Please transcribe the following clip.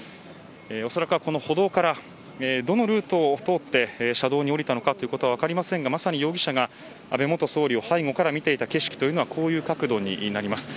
おそらくは、この歩道からどのルートを通って車道に降りたのかは分かりませんがまさに容疑者が安倍元総理を背後から見ていた景色はこういう角度です。